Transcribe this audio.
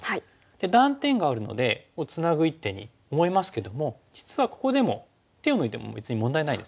断点があるのでツナぐ一手に思いますけども実はここでも手を抜いても別に問題ないです。